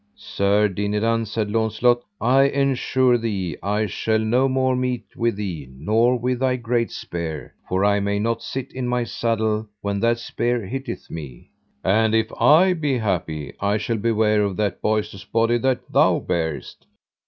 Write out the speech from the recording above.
Sir Dinadan, said Launcelot, I ensure thee I shall no more meet with thee nor with thy great spear, for I may not sit in my saddle when that spear hitteth me. And if I be happy I shall beware of that boistous body that thou bearest.